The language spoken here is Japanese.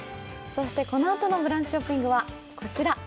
このあとの「ブランチショッピング」は、こちら。